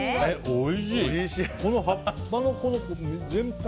おいしい。